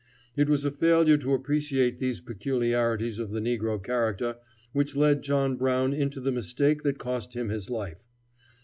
It was a failure to appreciate these peculiarities of the negro character which led John Brown into the mistake that cost him his life.